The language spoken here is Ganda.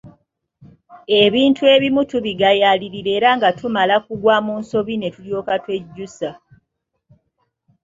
Ebintu ebimu tubigayaalirira era nga tumala kugwa mu nsobi ne tulyoka twejjusa.